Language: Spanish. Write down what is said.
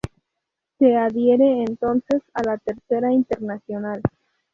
Se adhiere entonces a la Tercera Internacional.